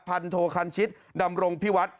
พันโทคันชิตดำรงพิวัฒน์